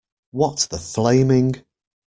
What the flaming.